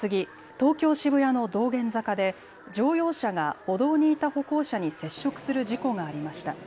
東京渋谷の道玄坂で乗用車が歩道にいた歩行者に接触する事故がありました。